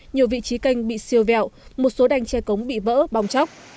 nhiều vị trí canh bị siêu vẹo một số đành che cống bị vỡ bong chóc